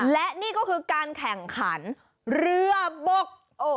และนี่ก็คือการแข่งขันเรือบก